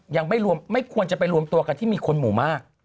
ยังไม่รวมไม่ควรจะไปรวมตัวกันที่มีคนหมู่มาก